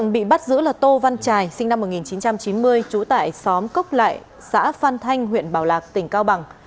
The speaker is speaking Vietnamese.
bị bắt giữ là tô văn trải sinh năm một nghìn chín trăm chín mươi trú tại xóm cốc lại xã phan thanh huyện bảo lạc tỉnh cao bằng